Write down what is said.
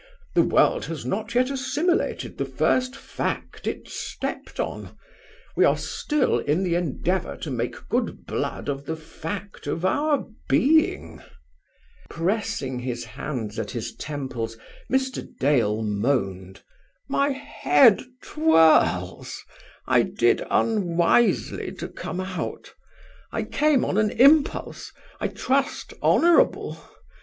The world has not yet assimilated the first fact it stepped on. We are still in the endeavour to make good blood of the fact of our being." Pressing his hands at his temples, Mr. Dale moaned: "My head twirls; I did unwisely to come out. I came on an impulse; I trust, honourable.